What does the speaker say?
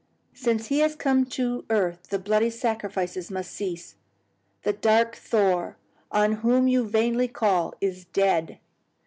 Since He has come to earth the bloody sacrifices must cease. The dark Thor, on whom you vainly call, is dead.